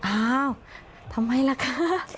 อ้าวทำไมล่ะคะ